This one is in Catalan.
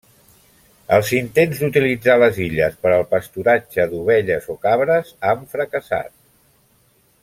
Els intents d'utilitzar les illes per al pasturatge d'ovelles o cabres han fracassat.